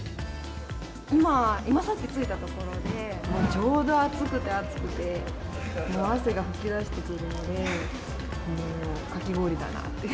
今さっき着いたところで、ちょうど暑くて、暑くて、もう汗が噴き出してくるので、もうかき氷だなって。